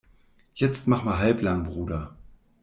Jetzt mach mal halblang, Bruder!